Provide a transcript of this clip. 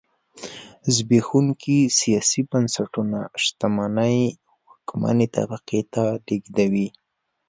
زبېښونکي سیاسي بنسټونه شتمنۍ واکمنې طبقې ته لېږدوي.